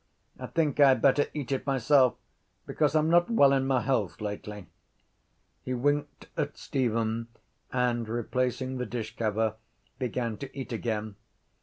I think I had better eat it myself because I’m not well in my health lately. He winked at Stephen and, replacing the dishcover, began to eat again.